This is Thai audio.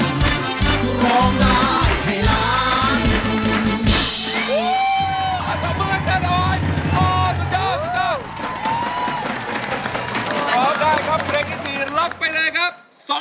เห็นตลกเห็นเล่นแบบนี้นะครับ